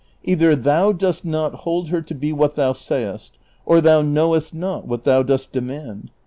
Either thou dost not hold her to be what thou sayest, or thou knowest not what thou dost demand.